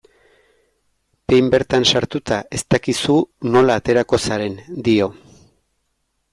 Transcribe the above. Behin bertan sartuta, ez dakizu nola aterako zaren, dio.